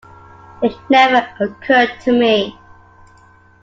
It never occurred to me.